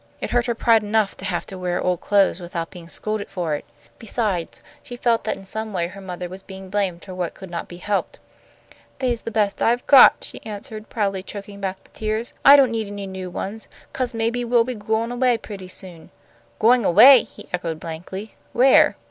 It hurt her pride enough to have to wear old clothes without being scolded for it. Besides, she felt that in some way her mother was being blamed for what could not be helped. "They's the best I've got," she answered, proudly choking back the tears. "I don't need any new ones, 'cause maybe we'll be goin' away pretty soon." "Going away!" he echoed, blankly, "Where?"